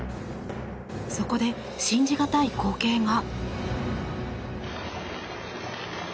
そこで、信じがたい光景が。